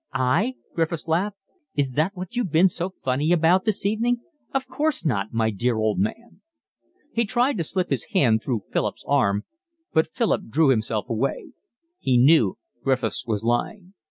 "I?" Griffiths laughed. "Is that what you've been so funny about this evening? Of course not, my dear old man." He tried to slip his hand through Philip's arm, but Philip drew himself away. He knew Griffiths was lying.